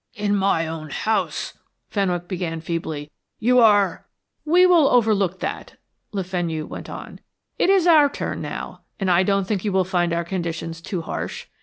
"In my own house," Fenwick began feebly, "you are " "We will overlook that," Le Fenu went on. "It is our turn now, and I don't think you will find our conditions too harsh.